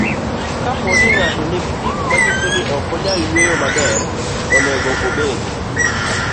Kapo ni ng'ato nigi gik manyiso ni ok onyal yueyo maber, onego obed